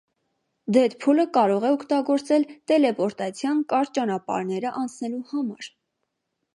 Դեդփուլը կարող է օգտագործել տելեպորտացիան կարճ ճանապարհները անցնելու համար։